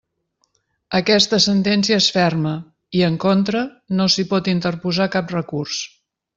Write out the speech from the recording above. Aquesta sentència és ferma i, en contra, no s'hi pot interposar cap recurs.